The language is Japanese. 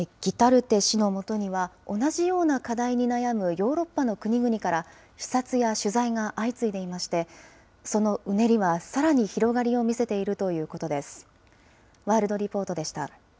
ギタルテ氏のもとには、同じような課題に悩むヨーロッパの国々から、視察や取材が相次いでいまして、そのうねりはさらに広がりを見せているということです。